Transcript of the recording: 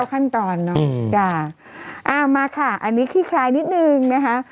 ขั้นตอนเนอะจ้ะเอามาค่ะอันนี้ขี้คลายนิดนึงนะคะ